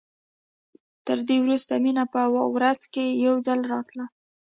تر دې وروسته مينه په ورځ کښې يو ځل راتله.